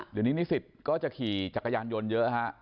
เดี๋ยวนี้นิสิตก็จะขี่จักรยานยนต์เยอะฮะ